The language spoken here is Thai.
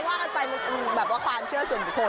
ว่ากันไปมันเป็นแบบว่าความเชื่อส่วนบุคคล